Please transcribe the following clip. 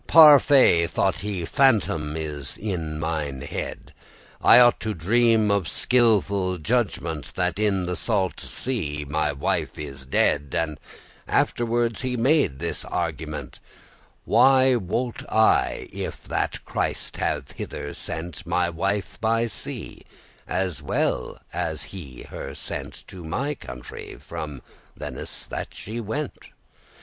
* *as fast as he could* "Parfay,"* thought he, "phantom is in mine head. *by my faith I ought to deem, of skilful judgement, a fantasy That in the salte sea my wife is dead." And afterward he made his argument, "What wot I, if that Christ have hither sent My wife by sea, as well as he her sent To my country, from thennes that she went?"